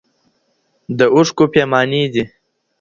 د اوښکو پیمانې دي